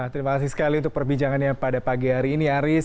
terima kasih sekali untuk perbincangannya pada pagi hari ini aris